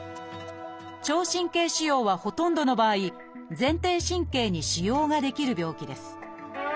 聴神経腫瘍はほとんどの場合前庭神経に腫瘍が出来る病気です。